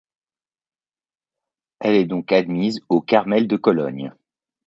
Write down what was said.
Elle est donc admise au Carmel de Cologne.